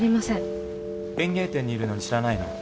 園芸店にいるのに知らないの？